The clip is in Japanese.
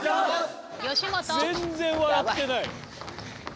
全然笑ってないやん。